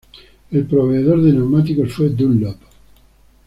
El proveedor de neumáticos fue Dunlop.